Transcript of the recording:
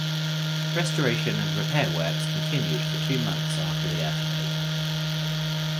Restoration and repair works continued for two months after the earthquake.